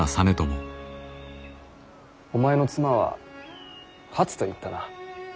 お前の妻は初といったな。